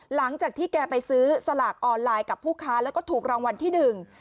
หลังจากที่แกไปซื้อสลากออนไลน์กับผู้ค้าแล้วก็ถูกรางวัลที่หนึ่ง